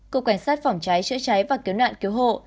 cục cảnh sát phòng cháy chữa cháy và cứu nạn cứu hộ